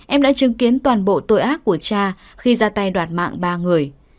em đã chứng kiến toàn bộ tội ác của cha khi ra tay đoạt mạng ba người